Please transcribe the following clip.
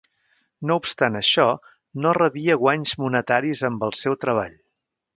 No obstant això, no rebia guanys monetaris amb el seu treball.